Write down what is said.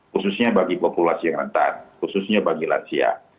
khususnya bagi populasi yang rentan khususnya bagi lansia